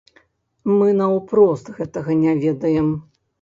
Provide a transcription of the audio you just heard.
Мы наўпрост гэтага не ведаем.